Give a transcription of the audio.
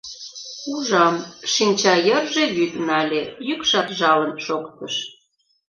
Ужам: шинча йырже вӱд нале, йӱкшат жалын шоктыш.